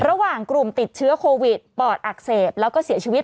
ระหว่างกลุ่มติดเชื้อโควิดปอดอักเสบแล้วก็เสียชีวิต